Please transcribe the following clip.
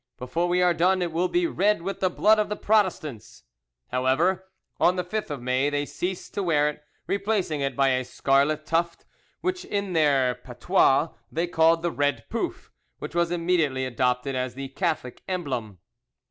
Before we are done, it will be red with the blood of the Protestants!" However, on the 5th of May they ceased to wear it, replacing it by a scarlet tuft, which in their patois they called the red pouf, which was immediately adopted as the Catholic emblem.